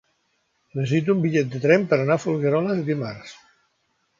Necessito un bitllet de tren per anar a Folgueroles dimarts.